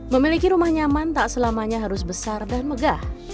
memiliki rumah nyaman tak selamanya harus besar dan megah